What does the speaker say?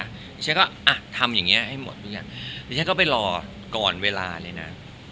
ดิฉันก็อ่ะทำอย่างนี้ให้หมดดิฉันก็ไปรอก่อนเวลาเลยนะ